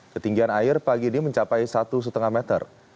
ketinggian air pagi ini mencapai satu lima meter